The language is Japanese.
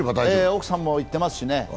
奥さんも行ってますし。